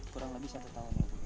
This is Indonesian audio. kurang lebih satu tahun ya bu